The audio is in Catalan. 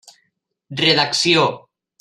Redacció.